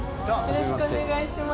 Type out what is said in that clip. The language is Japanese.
よろしくお願いします。